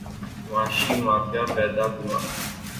معاشی مواقع پیدا ہوں۔